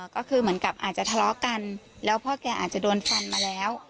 ก็คือเหมือนกับอาจจะทะเลาะกันแล้วพ่อแกอาจจะโดนฟันมาแล้ว